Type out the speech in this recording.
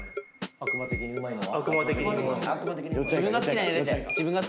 悪魔的にうまいのは？